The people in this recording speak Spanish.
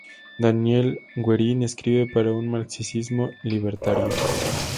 Daniel Guerin escribe" Para un Marxismo Libertario".